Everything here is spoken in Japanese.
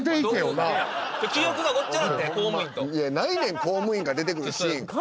ないねん公務員が出てくるシーン。